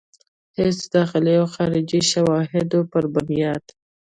هيڅ داخلي او خارجي شواهدو پۀ بنياد